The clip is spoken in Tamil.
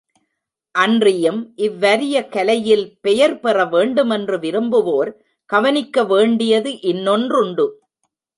அன்றியும் இவ்வரிய கலையில் பெயர் பெற வேண்டுமென்று விரும்புவோர் கவனிக்கவேண்டியது இன்னொன்றுண்டு.